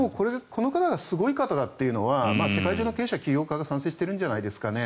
この方がすごい方だというのは世界中の経営者、起業家が賛成しているんじゃないですかね。